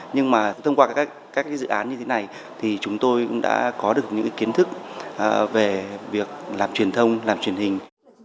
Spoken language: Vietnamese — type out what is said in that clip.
nhưng mà thông qua các dự án như thế này thì chúng tôi cũng đã có được những kiến thức về việc làm truyền thông làm truyền hình